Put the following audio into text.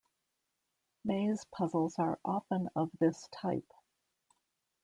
Maze puzzles are often of this type.